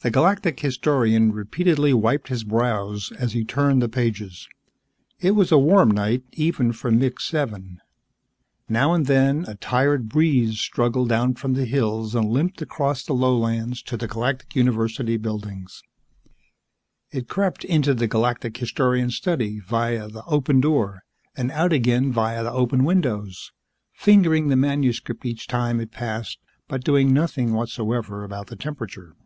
The Galactic Historian repeatedly wiped his brows as he turned the pages. It was a warm night, even for Mixxx Seven. Now and then, a tired breeze struggled down from the hills and limped across the lowlands to the Galactic University buildings. It crept into the Galactic Historian's study via the open door and out again via the open windows, fingering the manuscript each time it passed but doing nothing whatsoever about the temperature.